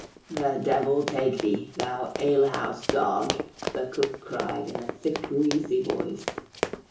"The Devil take thee, thou alehouse dog!" the cook cried in a thick, wheezy voice.